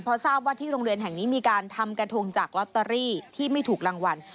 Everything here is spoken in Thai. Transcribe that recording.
เพราะทราบว่าที่โรงเรียนแห่งนี้มีการทำกระทงจากลอตเตอรี่ที่ไม่ถูกรางวัล